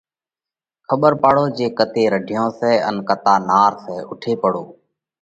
کٻر پاڙو جي ڪتي رڍيون سئہ ان ڪتا نار سئہ؟ اُوٺي پڙو،